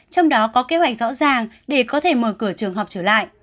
trong đó có kế hoạch rõ ràng để có thể mở cửa trường học trở lại